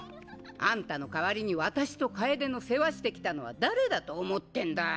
アンタの代わりに私と楓の世話してきたのは誰だと思ってんだい？